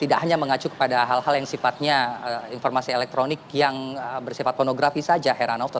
tidak hanya mengacu kepada hal hal yang sifatnya informasi elektronik yang bersifat pornografi saja heranoto